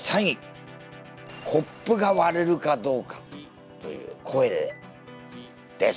コップが割れるかどうかという声でです。